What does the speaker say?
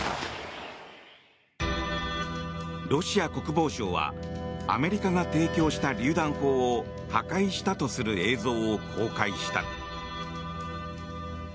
ロシア国防省はアメリカが提供したりゅう弾砲を破壊したとする映像を公開した。